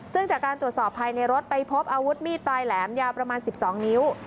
ซึ่งจากการตรวจสอบภายในรถไปพบอาวุธมีดปลายแหลมยาวประมาณ๑๒นิ้ว